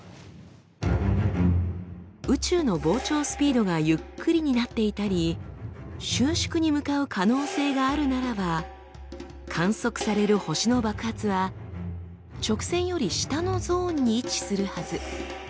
宇宙の膨張スピードがゆっくりになっていたり収縮に向かう可能性があるならば観測される星の爆発は直線より下のゾーンに位置するはず。